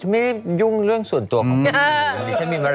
ไม่ยุ่งเรื่องส่วนตัวของคุณ